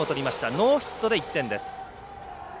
ノーヒットで１点です。